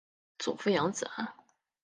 祖父杨子安。